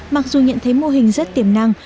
mặc dù nhận thấy mô hình rất tiềm năng